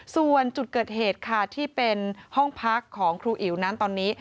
ส่วนจุดเกิดเหตุค่ะที่เป็นห้องพักของครูอิ๋วนั้นตอนนี้